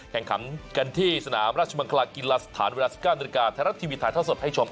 แข่งขัมกันที่สนามราชบังคลากิลัสฐานเวลา๑๙นทะเลาะทีวีถ่ายทอดสดให้ชม